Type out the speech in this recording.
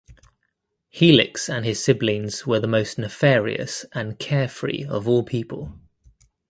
Helix and his siblings were the most nefarious and carefree of all people.